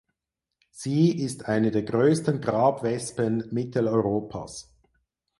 Sie ist eine der größten Grabwespen Mitteleuropas.